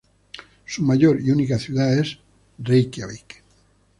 Su mayor y única ciudad es Reikiavik.